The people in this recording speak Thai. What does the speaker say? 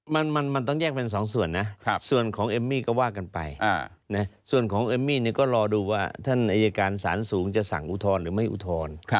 มันต้องแยกเป็นสองส่วนนะส่วนของเอมมี่ก็ว่ากันไปส่วนของเอมมี่เนี่ยก็รอดูว่าท่านอายการสารสูงจะสั่งอุทธรณ์หรือไม่อุทธรณ์